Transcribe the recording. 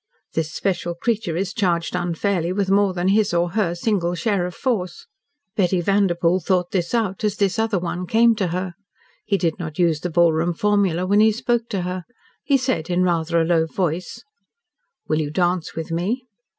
This special creature is charged unfairly with more than his or her single share of force. Betty Vanderpoel thought this out as this "other one" came to her. He did not use the ballroom formula when he spoke to her. He said in rather a low voice: "Will you dance with me?"